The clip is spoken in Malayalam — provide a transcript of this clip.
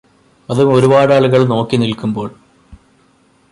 അതും ഒരുപാടാളുകൾ നോക്കി നിൽക്കുമ്പോൾ